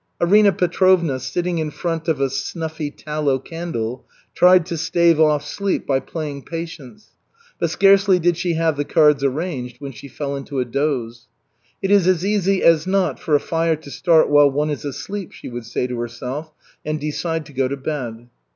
Arina Petrovna, sitting in front of a snuffy tallow candle, tried to stave off sleep by playing "patience," but scarcely did she have the cards arranged when she fell into a doze. "It is as easy as not for a fire to start while one is asleep," she would say to herself, and decide to go to bed.